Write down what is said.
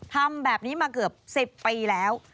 ทำแบบนี้มาเกือบ๑๐ปีแล้ว